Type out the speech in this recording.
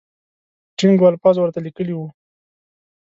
ټینګو الفاظو ورته لیکلي وو.